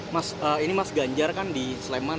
mas ini mas ganjar kan di sleman